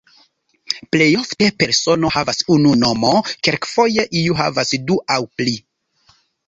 Plejofte, persono havas unu nomo, kelkfoje iu havas du aŭ pli.